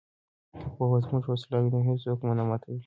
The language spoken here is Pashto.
که پوهه زموږ وسله وي نو هیڅوک مو نه ماتوي.